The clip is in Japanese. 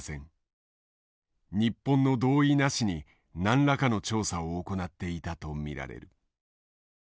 日本の同意なしに何らかの調査を行っていたと見られる。